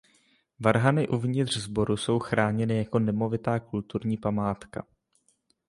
Varhany uvnitř sboru jsou chráněny jako nemovitá kulturní památka.